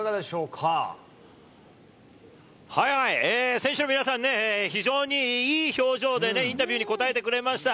選手の皆さんね、非常にいい表情でインタビューに答えてくれました。